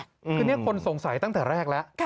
คือนี่คนสงสัยตั้งแต่แรกแล้ว